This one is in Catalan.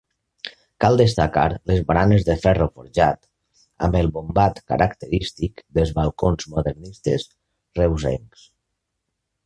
Cal destacar les baranes de ferro forjat amb el bombat característic dels balcons modernistes reusencs.